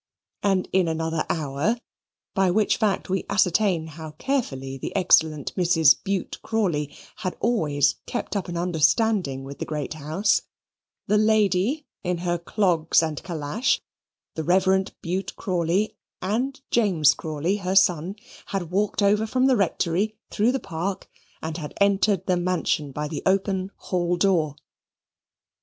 And in another hour (by which fact we ascertain how carefully the excellent Mrs. Bute Crawley had always kept up an understanding with the great house), that lady in her clogs and calash, the Reverend Bute Crawley, and James Crawley, her son, had walked over from the Rectory through the park, and had entered the mansion by the open hall door.